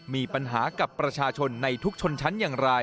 มีปัญหากับประชาชนในทุกชนชั้นอย่างไร